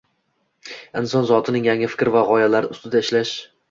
inson zotining yangi fikr va g‘oyalar ustida ishlash